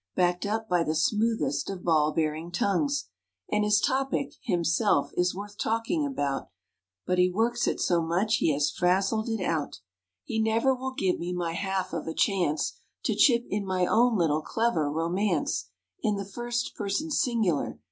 Backed up by the smoothest of ball bearing tongues, And his topic himself is worth talking about, But he works it so much he has frazzled it out. He never will give me my half of a chance To chip in my own little, clever romance In the first person singular.